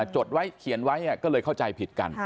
จดไว้เขียนไว้ก็เลยเข้าใจผิดกัน